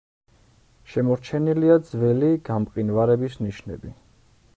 შემორჩენილია ძველი გამყინვარების ნიშნები.